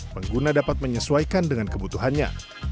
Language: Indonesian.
pengguna dapat menyesuaikan dengan kebutuhannya